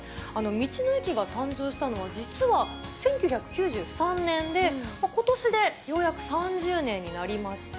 道の駅が誕生したのは、実は１９９３年で、ことしでようやく３０年になりました。